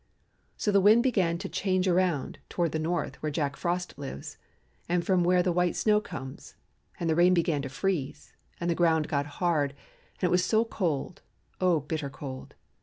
Soon the wind began to change around toward the north where Jack Frost lives and from where the white snow comes, and the rain began to freeze, and the ground got hard, and it was so cold, oh bitter cold.